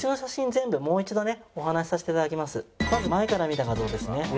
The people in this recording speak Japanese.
まず前から見た画像ですね。